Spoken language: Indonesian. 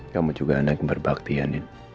kamu juga anak yang berbakti ya nin